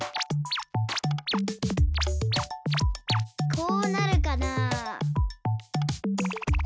こうなるかなあ。